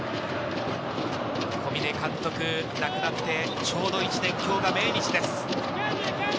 小嶺監督が亡くなってちょうど１年、今日が命日です。